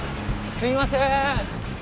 すいません。